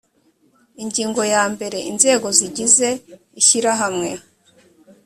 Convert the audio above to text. ingingo ya mbere inzego zigize ishyirahamwe